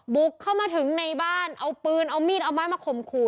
บุกเข้ามาถึงในบ้านเอาปืนเอามีดเอาไม้มาข่มขู่